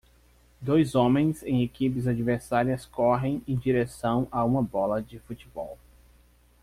Dois homens em equipes adversárias correm em direção a uma bola de futebol